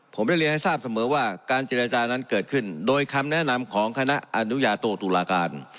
ผมได้เรียนให้ทราบเสมอว่าการเจรจานั้นเกิดขึ้นโดยคำแนะนำของคณะอนุญาโตตุลาการ